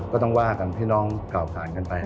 ก็ต้องว่ากันพี่น้องกล่าวผ่านกันไป